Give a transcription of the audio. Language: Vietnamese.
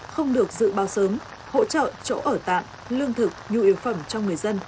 không được dự báo sớm hỗ trợ chỗ ở tạm lương thực nhu yếu phẩm cho người dân